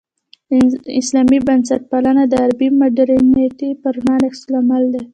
اسلامي بنسټپالنه د غربي مډرنیتې پر وړاندې عکس العمل دی.